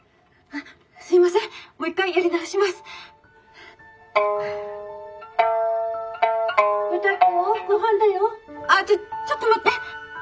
「あっちょっちょっと待って」。